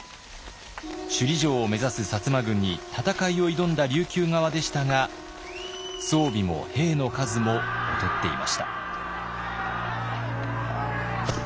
首里城を目指す摩軍に戦いを挑んだ琉球側でしたが装備も兵の数も劣っていました。